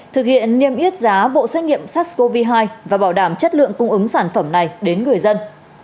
thực hiện niêm yết giá bộ xét nghiệm sars cov hai và bảo đảm chất lượng cung ứng sản phẩm này đến người dân